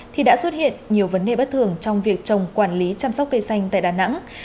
thì đã xuất hiện nhiều vấn đề bất thường trong việc trồng quản lý chăm sóc cây xanh tại đà nẵng